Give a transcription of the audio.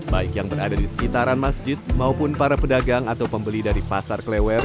baik yang berada di sekitaran masjid maupun para pedagang atau pembeli dari pasar klewer